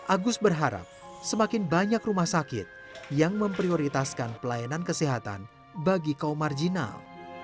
agus berharap semakin banyak rumah sakit yang memprioritaskan pelayanan kesehatan bagi kaum marginal